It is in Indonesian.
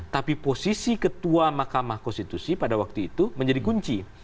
tapi posisi ketua mahkamah konstitusi pada waktu itu menjadi kunci